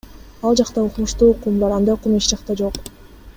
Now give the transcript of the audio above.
Ал жакта укмуштуу кум бар, андай кум эч жакта жок!